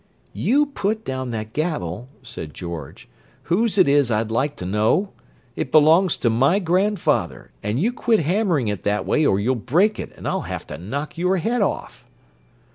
"You put down that gavel," said George. "Whose is it, I'd like to know? It belongs to my grandfather, and you quit hammering it that way or you'll break it, and I'll have to knock your head off."